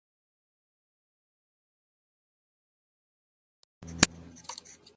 Calle de gran pendiente donde se encuentra el Palacio Obispal de los Marín-Cobo.